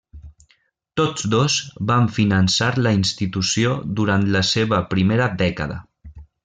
Tots dos van finançar la institució durant la seva primera dècada.